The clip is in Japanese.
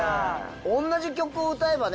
おんなじ曲を歌えばね